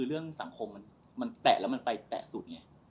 เรื่องราวเตะแล้วมันไปเตะสุด